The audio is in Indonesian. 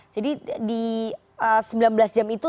jadi di sembilan belas jam itu